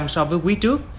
so với quý trước